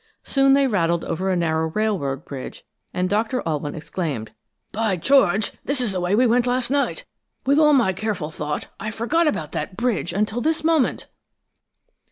Soon they rattled over a narrow railroad bridge, and Doctor Alwyn exclaimed: "By George! This is the way we went last night! With all my careful thought, I forgot about that bridge until this moment!"